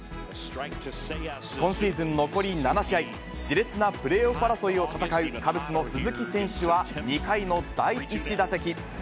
今シーズンは残り７試合、しれつなプレーオフ争いを戦うカブスの鈴木選手は２回の第１打席。